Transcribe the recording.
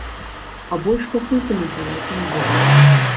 А больш пакуль каментаваць не буду.